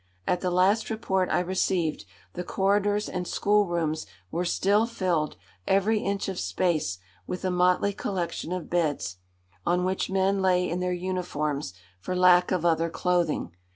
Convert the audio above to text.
At the last report I received, the corridors and schoolrooms were still filled every inch of space with a motley collection of beds, on which men lay in their uniforms, for lack of other clothing.